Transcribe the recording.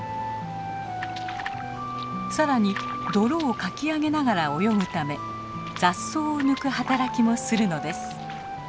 更に泥をかき上げながら泳ぐため雑草を抜く働きもするのです。